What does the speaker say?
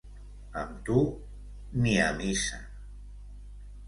Amb tu, ni a missa.